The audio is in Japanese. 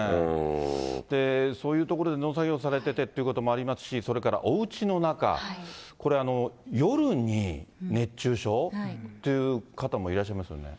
そういう所で農作業されてていうこともありますし、それからおうちの中、これ、夜に熱中症っていう方もいらっしゃいますよね。